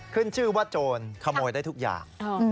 ขึ้นชื่อว่าโจรขโมยได้ทุกอย่าง